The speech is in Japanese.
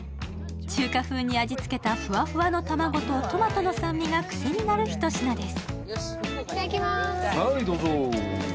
中華風に味付けたふわふわの卵とトマトの酸味が癖になるひと品です。